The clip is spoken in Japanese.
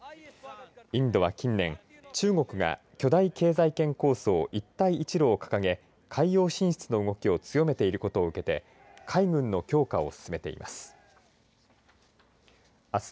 インドは近年、中国が巨大経済圏構想、一帯一路を掲げ海洋進出の動きを強めていることを受けて海軍の強化を進めています。